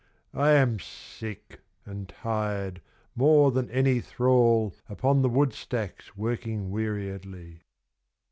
I am sick, and tired more than any thrall Upon the woodstacks working weariedly.